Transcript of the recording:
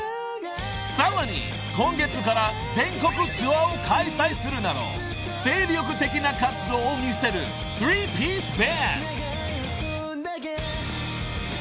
［さらに今月から全国ツアーを開催するなど精力的な活動を見せるスリーピースバンド］